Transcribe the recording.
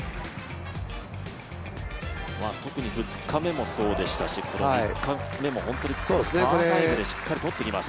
特に２日目もそうでしたし、３日目もパー５でしっかり取ってきます。